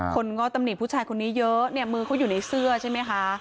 ง้อตำหนิผู้ชายคนนี้เยอะเนี่ยมือเขาอยู่ในเสื้อใช่ไหมคะ